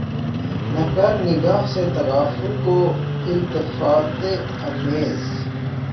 نہ کر نگہ سے تغافل کو التفات آمیز